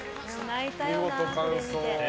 見事完走。